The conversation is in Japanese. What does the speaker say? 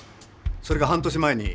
それが半年前に。